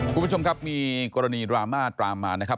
คุณผู้ชมครับมีกรณีดราม่าตามมานะครับ